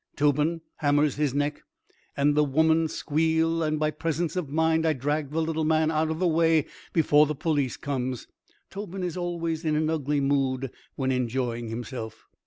Tobin hammers his neck, and the women squeal, and by presence of mind I drag the little man out of the way before the police comes. Tobin is always in an ugly mood when enjoying himself.